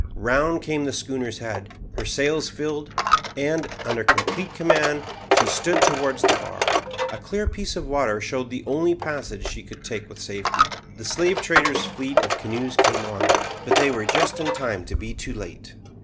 Round came the schooner's head. Her sails filled, and, under complete command, she stood towards the bar. A clear piece of water showed the only passage she could take with safety. The slave trader's fleet of canoes came on, but they were just in time to be too late.